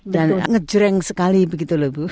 dan ngejreng sekali begitu loh ibu